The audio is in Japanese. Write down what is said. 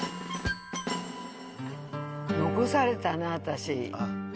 残されたな私。